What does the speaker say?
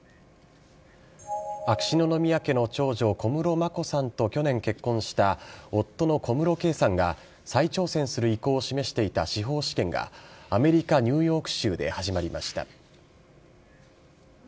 秋篠宮家の長女、小室眞子さんと去年、結婚した、夫の小室圭さんが再挑戦する意向を示していた司法試験が、アメリカ・ニューヨーク州で始まりました。